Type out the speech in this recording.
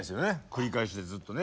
繰り返しでずっとね